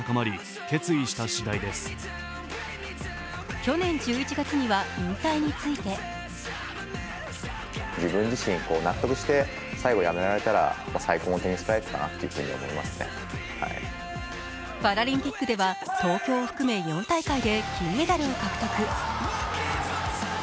去年１１月には引退についてパラリンピックでは東京を含め４大会で金メダルを獲得。